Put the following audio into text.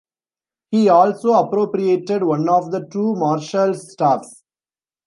He also appropriated one of the two Marshal's staffs.